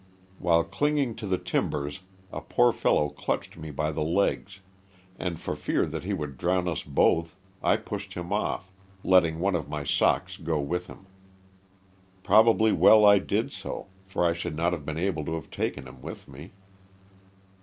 While clinging to the timbers a poor fellow clutched me by the legs, and for fear that he would drown us both I pushed him off, letting one of my socks go with him. Probably well I did so, for I should not have been able to have taken him with me.